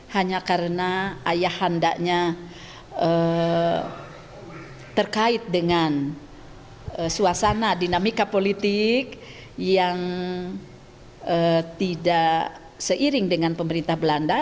hanya karena ayah handaknya terkait dengan suasana dinamika politik yang tidak seiring dengan pemerintah belanda